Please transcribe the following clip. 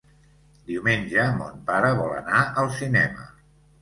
Diumenge mon pare vol anar al cinema.